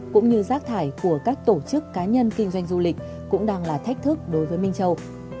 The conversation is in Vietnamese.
cũng như rác thải của các tổ chức cá nhân kinh doanh du lịch cũng đang là thách thức đối với minh châu